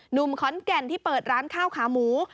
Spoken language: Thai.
หนุ่มขอนแก่นที่เปิดร้านข้าวขาหมู